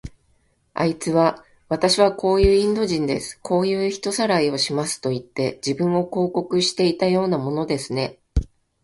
あいつは、わたしはこういうインド人です。こういう人さらいをしますといって、自分を広告していたようなものですね。